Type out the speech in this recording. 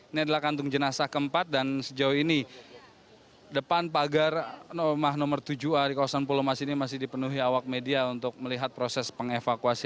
ini adalah kantung jenazah keempat dan sejauh ini depan pagar rumah nomor tujuh hari kosong puluh masih ini masih dipenuhi awak media untuk melihat proses pengevakuasi